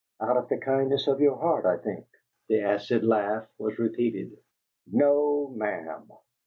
"Out of the kindness of your heart, I think." The acid laugh was repeated. "NO, ma 'am!